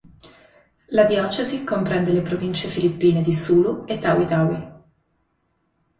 La diocesi comprende le province filippine di Sulu e Tawi-Tawi.